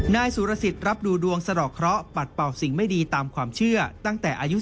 นายสุรสิทธิ์รับดูดวงสะดอกเคราะห์ปัดเป่าสิ่งไม่ดีตามความเชื่อตั้งแต่อายุ